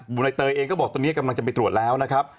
นายเตยเองก็บอกตอนนี้กำลังจะไปตรวจแล้วนะครับ